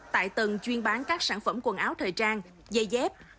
tại tầng chuyên bán các sản phẩm quần áo thời trang dây dép